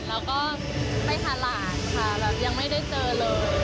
แล้วก็ไปหาหลานค่ะแบบยังไม่ได้เจอเลย